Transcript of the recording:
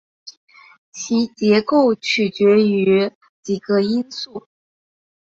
其结构取决于几个因素。